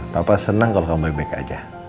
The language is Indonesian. papa senang kalau kamu baik baik aja